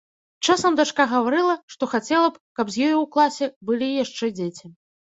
Часам дачка гаварыла, што хацела б, каб з ёй у класе былі яшчэ дзеці.